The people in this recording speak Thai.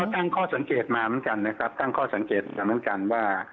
ตั้งข้อสังเกตมาเหมือนกันนะครับตั้งข้อสังเกตเหมือนกันว่า